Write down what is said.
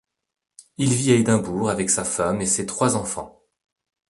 Il vit à Édimbourg avec sa femme et ses trois enfants.